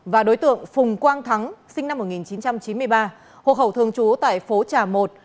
và đối tượng phùng quang thắng sinh năm một nghìn chín trăm chín mươi ba hộ khẩu thường trú tại phố trà một